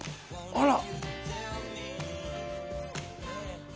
あら！